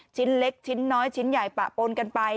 ชิ้นเล็กชิ้นน้อยชิ้นใหญ่ปะปนกันไป